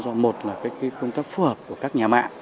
do một là công tác phù hợp của các nhà mạng